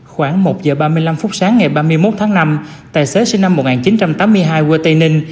khoảng một giờ ba mươi năm phút sáng ngày ba mươi một tháng năm tài xế sinh năm một nghìn chín trăm tám mươi hai quê tây ninh